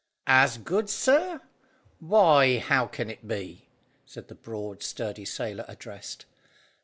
"As good, sir? Why, how can it be?" said the broad, sturdy sailor addressed.